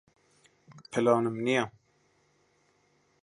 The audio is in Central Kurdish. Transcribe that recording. پلانم نییە.